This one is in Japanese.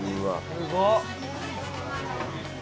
すごっ！